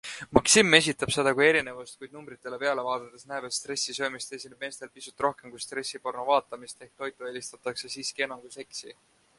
Maxim esitab seda kui erinevust, kuid numbritele peale vaadates näeb, et stressisöömist esineb meestel pisut rohkem kui stressipornovaatamist, ehk toitu eelistatakse siiski enam kui seksi.